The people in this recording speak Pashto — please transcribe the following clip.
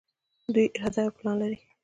دوی اراده او پلان لري.